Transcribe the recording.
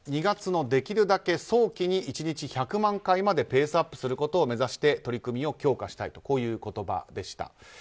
２月のできるだけ早期に１日１００万回までペースアップすることを目指して取り組みを強化したいという言葉でした。